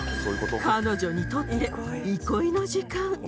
彼女にとって憩いの時間。